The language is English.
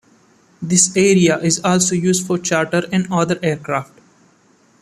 This area is also used for charter and other aircraft.